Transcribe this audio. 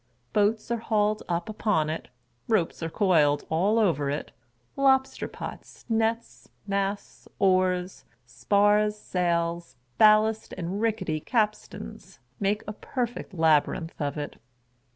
Boats are hauled up upon it, ropes are coiled all over it ; lobster pots, nets, masts, oars, spars, sails, ballast, and rickety capstans, make a perfect labyrinth of it.